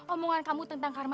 omongan kamu tentang karma